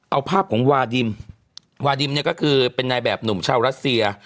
เอาภาพของวาดิมวาดิมเนี่ยก็คือเป็นนายแบบหนุ่มชาวรัสเซีย